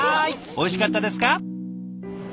おいしかったですか？